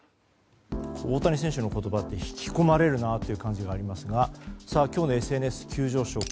大谷選手の言葉って引き込まれるなという感じがありますが今日のＳＮＳ急上昇